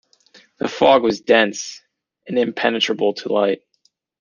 The fog was dense and impenetrable to light.